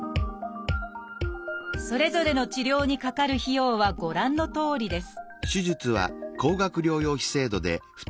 それぞれの治療にかかる費用はご覧のとおりです